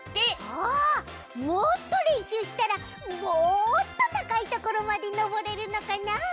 あもっとれんしゅうしたらもっとたかいところまでのぼれるのかなあ？